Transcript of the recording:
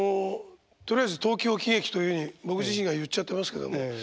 とりあえず東京喜劇というふうに僕自身が言っちゃってますけどこれ